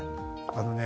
あのね